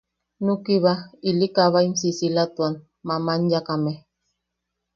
Nukiba ili kabaʼim sisilatuan mamanyakame.